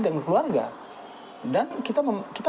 dan keluarga dan kita